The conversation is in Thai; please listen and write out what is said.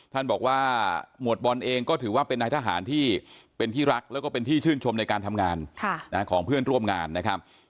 ท่านบอกว่าหมวดบอลเองก็ถือว่าเป็นนายทหารที่เป็นที่รักแล้วก็เป็นที่ชื่นชมในการทำงานของเพื่อนร่วมงานนะครับ